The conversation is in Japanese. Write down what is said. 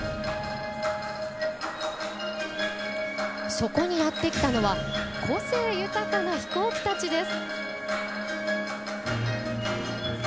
そこに、やってきたのは個性豊かな飛行機たちです！